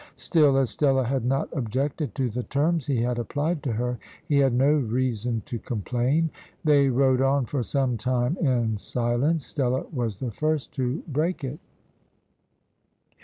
Still, as Stella had not objected to the terms he had applied to her, he had no reason to complain. They rode on for some time in silence. Stella was the first to break it.